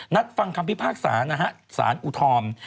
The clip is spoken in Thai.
ฟังคำพิพากษานะฮะสารอุทธร